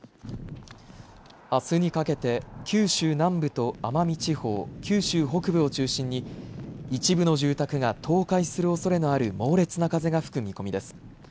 あすにかけて九州南部と奄美地方、九州北部を中心に一部の住宅が倒壊するおそれのある猛烈な風が吹く見込みです。